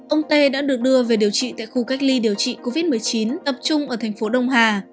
ông tê đã được đưa về điều trị tại khu cách ly điều trị covid một mươi chín tập trung ở thành phố đông hà